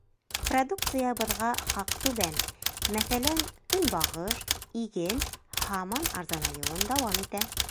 Продукциябыҙға хаҡ түбән, мәҫәлән, көнбағыш, иген һаман арзанайыуын дауам итә.